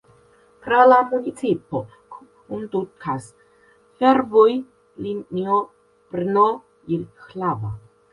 Tra la municipo kondukas fervojlinio Brno–Jihlava.